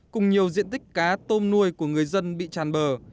cùng nhiều diện tích cá tôm nuôi của người dân bị tràn bờ